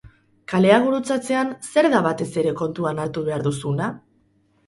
Kalea gurutzatzean, zer da batez ere kontutan hartu behar duzuna?